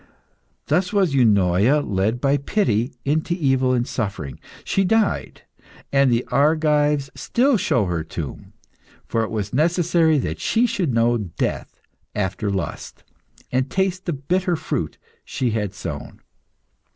"Thus was Eunoia led by pity into evil and suffering. She died, and the Argives still show her tomb for it was necessary that she should know death after lust, and taste the bitter fruit she had sown.